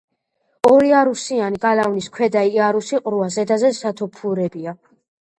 ორიარუსიანი გალავნის ქვედა იარუსი ყრუა, ზედაზე სათოფურებია.